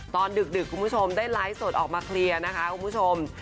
ดึกคุณผู้ชมได้ไลฟ์สดออกมาเคลียร์นะคะคุณผู้ชม